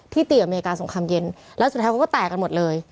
ตีอเมริกาสงครามเย็นแล้วสุดท้ายเขาก็แตกกันหมดเลย